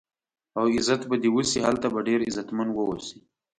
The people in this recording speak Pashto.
او عزت به دې وشي، هلته به ډېر عزتمن و اوسې.